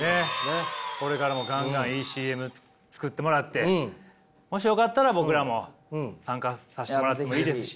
これからもガンガンいいＣＭ作ってもらってもしよかったら僕らも参加させてもらってもいいですし。